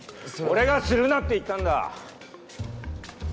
俺がするなって言ったんだ。